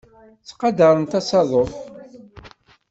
Ttqadarent asaḍuf.